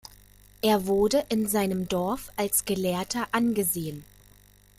Er wurde in seinem Dorf als Gelehrter angesehen.